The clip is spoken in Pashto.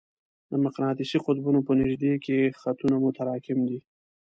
د مقناطیسي قطبونو په نژدې کې خطونه متراکم دي.